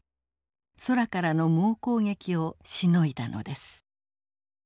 空からの猛攻撃をしのいだのです。